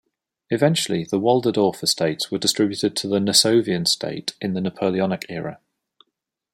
Eventually the Walderdorff estates were distributed to the Nassovian state in the Napoleonic era.